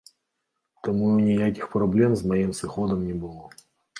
Таму ніякіх праблем з маім сыходам не было.